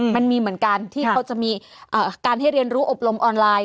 มันมีเหมือนกันที่เขาจะมีการให้เรียนรู้อบรมออนไลน์